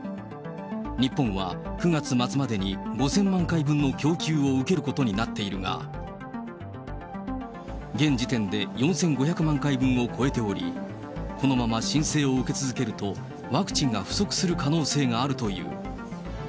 日本は９月末までに５０００万回分の供給を受けることになっているが、現時点で４５００万回分を超えており、このまま申請を受け続けると、ワクチンが不足する可能性があるという。